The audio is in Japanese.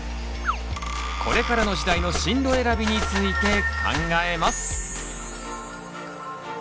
これからの時代の進路選びについて考えます！